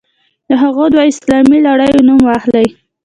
د هغو دوو اسلامي لړیو نوم واخلئ.